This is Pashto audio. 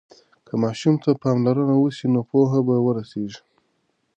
که ماشوم ته پاملرنه وسي نو پوهه به ورسيږي.